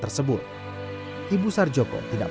yang penting jantan yang penting cucu